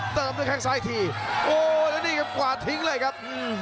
เติมด้วยแข้งซ้ายทีโอ้แล้วนี่ครับกวาดทิ้งเลยครับ